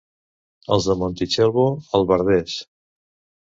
Els de Montitxelvo, albarders.